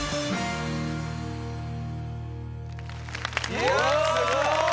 いやすごい！